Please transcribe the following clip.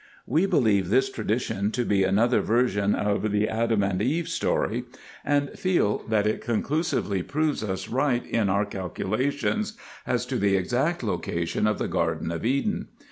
We believe this tradition to be another version of the Adam and Eve story, and feel that it conclusively proves us right in our calculations as to the exact location of the Garden of Eden.